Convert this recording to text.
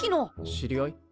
知り合い？